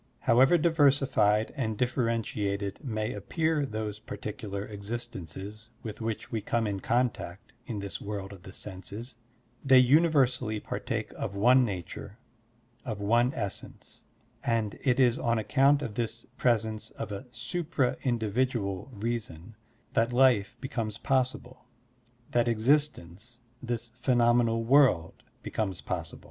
However diversified and diflferentiated may appear those particular exist ences with which we come in contact in this world of the senses, they universally partake of one nature, of one essence; and it is on account of this presence of a supra individual reason that life becomes possible, that existence, this phe nomenal world, becomes possible.